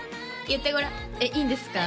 言ってごらんえっいいんですか？